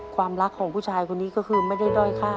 ความรักของผู้ชายคนนี้ก็คือไม่ได้ด้อยค่า